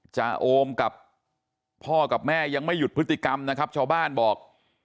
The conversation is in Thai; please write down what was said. โอมกับพ่อกับแม่ยังไม่หยุดพฤติกรรมนะครับชาวบ้านบอก